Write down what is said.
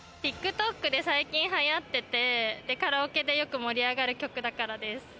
ＴｉｋＴｏｋで最近流行っててカラオケでよく盛り上がる曲だからです。